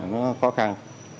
nó khó khăn